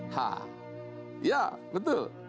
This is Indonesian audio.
ha ya betul